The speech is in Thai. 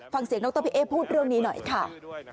ฟังเสียงดรพี่เอ๊พูดเรื่องนี้หน่อยค่ะ